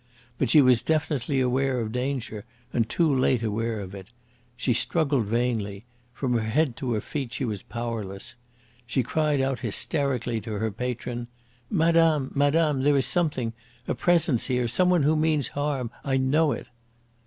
But she was definitely aware of danger, and too late aware of it. She struggled vainly. From her head to her feet she was powerless. She cried out hysterically to her patron: "Madame! Madame! There is something a presence here some one who means harm! I know it!"